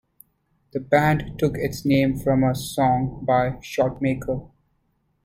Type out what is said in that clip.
The band took its name from a song by Shotmaker.